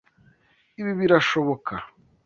Ibi birashoboka.